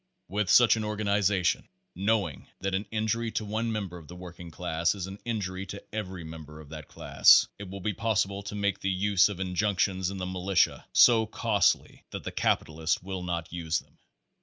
With such an organization, knowing that an injury to one member of the working class is an injury to every member of that class, it will be possible to make the use of injunctions and the militia so costly that the capitalist will not use them.